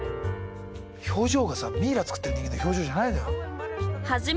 表情がさミイラ作ってる人間の表情じゃないのよ。